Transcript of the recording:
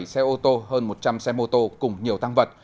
một mươi bảy xe ô tô hơn một trăm linh xe mô tô cùng nhiều tăng vật